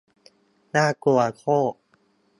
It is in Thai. น่ากลัวโคตร